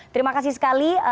terima kasih sekali